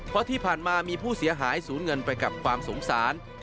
เพราะที่ผ่านมามีผู้เสียหายสูญเงินไปกับความสงสาร